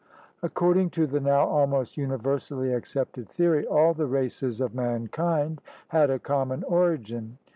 According to the now almost universally accepted theory, all the races of mankind had a common origin.